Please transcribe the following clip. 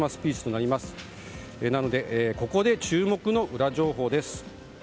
なのでここで注目のウラ情報です。